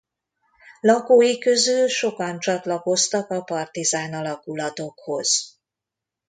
Lakói közül sokan csatlakoztak a partizán alakulatokhoz.